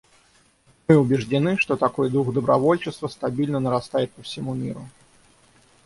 Мы убеждены, что такой дух добровольчества стабильно нарастает по всему миру.